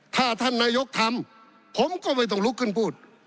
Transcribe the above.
ถ้าท่านนายกทำผมก็ไม่ต้องลุกขึ้นพูด